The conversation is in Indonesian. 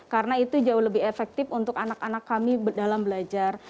karena itu jauh lebih efektif untuk anak anak kami dalam belajar